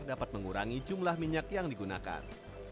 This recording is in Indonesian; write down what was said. dapat mengurangi jumlah minyak yang digunakan